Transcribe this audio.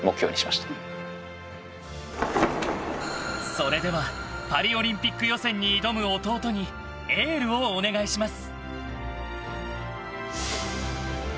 それではパリオリンピック予選に挑む弟にエールをお願いします。